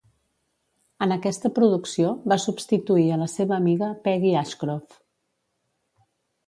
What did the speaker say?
En aquesta producció, va substituir a la seva amiga Peggy Ashcroft.